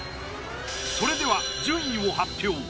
それでは順位を発表